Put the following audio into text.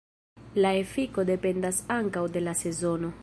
La efiko dependas ankaŭ de la sezono.